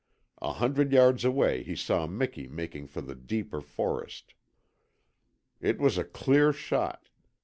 A hundred yards away he saw Miki making for the deeper forest. It was a clear shot.